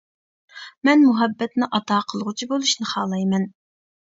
مەن مۇھەببەتنى ئاتا قىلغۇچى بولۇشنى خالايمەن.